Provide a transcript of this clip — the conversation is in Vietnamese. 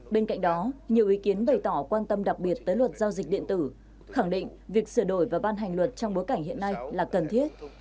bên cạnh đó nhiều ý kiến bày tỏ quan tâm đặc biệt tới luật giao dịch điện tử khẳng định việc sửa đổi và ban hành luật trong bối cảnh hiện nay là cần thiết